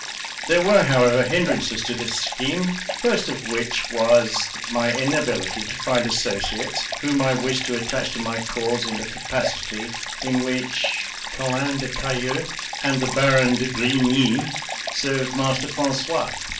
There were, however, hindrances to this scheme, first of which was my inability to find associates whom I wished to attach to my cause in the capacity in which Colin de Cayeulx and the Baron de Grigny served Master Francois.